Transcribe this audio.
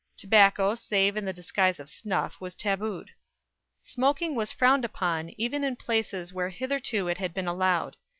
Tobacco, save in the disguise of snuff, was tabooed. Smoking was frowned upon, even in places where hitherto it had been allowed.